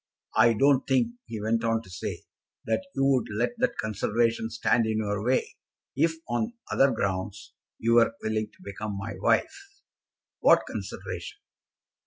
"I don't think," he went on to say, "that you would let that consideration stand in your way, if on other grounds you were willing to become my wife." "What consideration?"